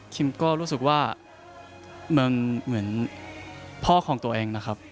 ก็รู้สึกว่ามันเหมือนพ่อของตัวเองนะครับ